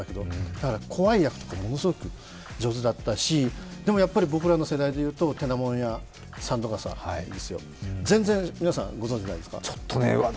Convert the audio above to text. だから怖い役とかものすごく上手だったしでもやっぱり僕らの世代で言うと「てなもんや三度笠」とか全然、皆さん、ご存じないですか？